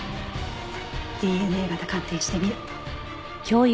ＤＮＡ型鑑定してみる。